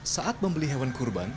saat membeli hewan kurban